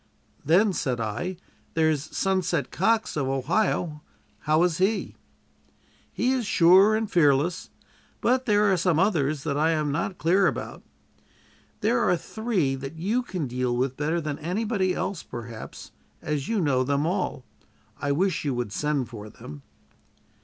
"Then," said I, "there's 'Sunset' Cox, of Ohio. How is he?" "He is sure and fearless. But there are some others that I am not clear about. There are three that you can deal with better than anybody else, perhaps, as you know them all. I wish you would send for them."